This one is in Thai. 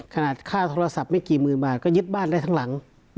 ขนาดค่าโทรศัพท์ไม่กี่หมื่นบาทก็ยึดบ้านได้ทั้งหลัง